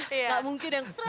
gak mungkin yang